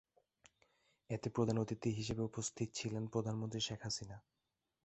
এতে প্রধান অতিথি হিসেবে উপস্থিত ছিলেন প্রধানমন্ত্রী শেখ হাসিনা।